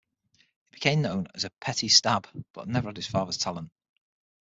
He became known as "Petit Stab" but never had his father's talent.